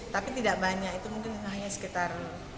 tapi tidak banyak itu mungkin hanya sekitar